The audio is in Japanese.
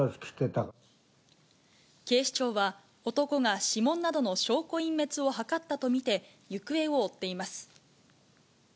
警視庁は、男が指紋などの証拠隠滅を図ったと見て行方を追っています。